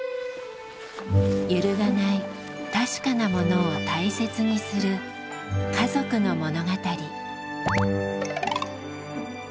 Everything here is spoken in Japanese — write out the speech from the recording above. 揺るがない「確かなもの」を大切にする家族の物語。